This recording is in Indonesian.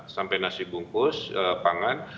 sampai nasi bungkus pangan